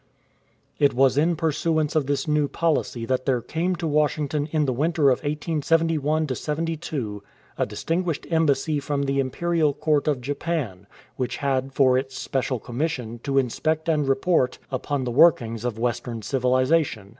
It was in pursuance of this new policy that there came to Washington in the winter of 1871 72 a distinguished embassy from the Imperial Court of Japan, which had for its special commission to inspect and report upon the workings of Western civilization.